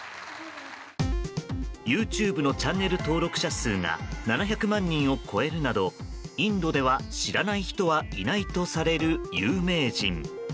ＹｏｕＴｕｂｅのチャンネル登録者数が７００万人を超えるなどインドでは知らない人はいないとされる有名人。